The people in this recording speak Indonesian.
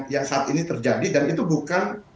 yang saat ini terjadi dan itu bukan